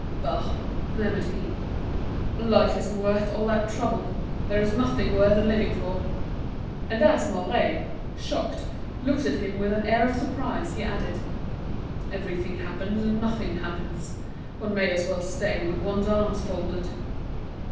"Bah!" murmured he, "life isn't worth all that trouble. There is nothing worth living for." And as Mouret, shocked, looked at him with an air of surprise, he added: "Everything happens and nothing happens; one may as well stay with one's arms folded."